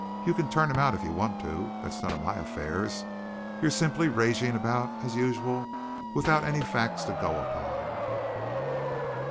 You can turn him out if you want to. That's none of my affairs. You're simply raging about as usual without any facts to go upon."